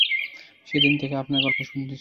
সেদিন থেকে আপনার গল্প শুনছি।